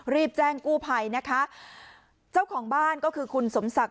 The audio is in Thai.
รีบแจ้งกู้ภัยนะคะเจ้าของบ้านก็คือคุณสมศักดิ